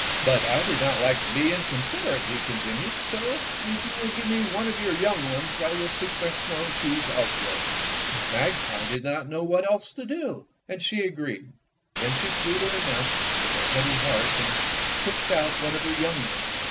"But I do not like to be inconsiderate," he continued; "so, if you will give me one of your young ones, I will seek my snowshoes elsewhere." 128 Fairy Tale Foxes The magpie did not know what else to do, and she agreed. Then she flew to her nest with a heavy heart and pushed out one of her young ones.